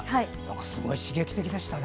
すごい刺激的でしたね。